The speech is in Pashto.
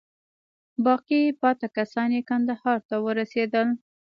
باقي پاته کسان یې کندهار ته ورسېدل.